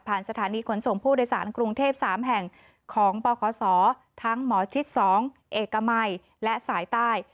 สถานีขนส่งผู้โดยสารกรุงเทพ๓แห่งของปคศทั้งหมอชิด๒เอกมัยและสายใต้